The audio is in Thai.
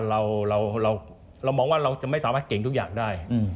เรามองว่าเราจะไม่สามารถเก่งทุกอย่างได้